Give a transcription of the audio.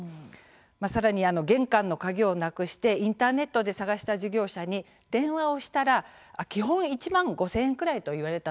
さらに玄関の鍵をなくしてインターネットで探した事業者に電話をしたら基本１万５０００円くらいと言われた。